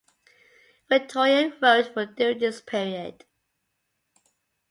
Victorine wrote for during this period.